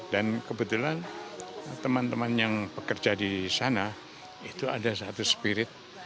dan kebetulan teman teman yang bekerja di sana itu ada satu spirit